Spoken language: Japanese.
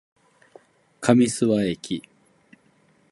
上諏訪駅